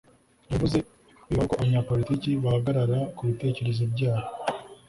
yavuze bibaho ko abanyapolitiki bahagarara ku bitekerezo byabo